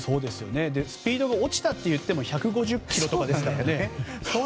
スピードが落ちたといっても１５０キロとかですから。